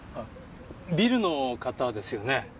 ビルの方ですよね？